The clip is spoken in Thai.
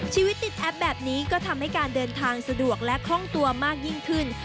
ชีวิตติดแอปแบบนี้ก็ทำให้การเดินทางสะดวกและคล่องตัวมากยิ่งขึ้น